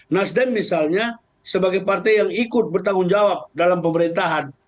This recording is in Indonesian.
nasdem misalnya sebagai partai yang ikut bertanggung jawab dalam pemerintahan